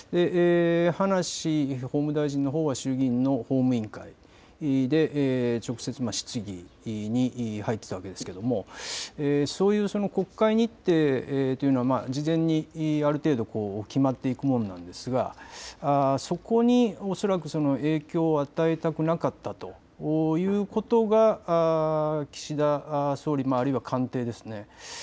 葉梨法務大臣のほうは衆議院の法務委員会で直接、質疑に入っていたわけですけれどもそういう国会日程というのは事前にある程度、決まっていくものなんですがそこに恐らく、影響を与えたくなかったということが岸田総理、あるいは官邸ですね。